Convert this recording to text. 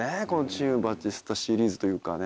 『チーム・バチスタ』シリーズというかね